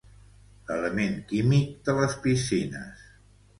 L'element químic de les piscines.